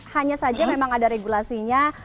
hanya saja memang ada regulasinya